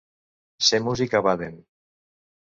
Ser músic a Baden.